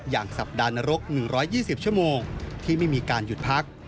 สัปดาห์นรก๑๒๐ชั่วโมงที่ไม่มีการหยุดพัก